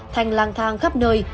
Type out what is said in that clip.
thành lang thang khắp nơi